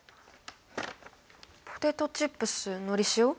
ポテトチップスのり塩？